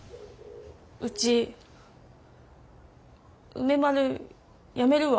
ウチ梅丸やめるわ。